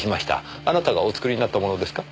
あなたがお作りになったものですか？